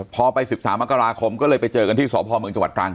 พอไป๑๓มกราคมก็เลยไปเจอกันที่สพเมืองจังหวัดตรัง